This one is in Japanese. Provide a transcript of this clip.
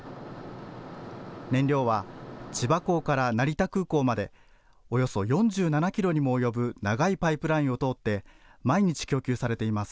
燃料は千葉港から成田空港までおよそ４７キロにも及ぶ長いパイプラインを通って毎日、供給されています。